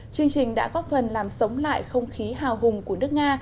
chương trình đã góp phần làm sống lại không khí hào hùng của nước nga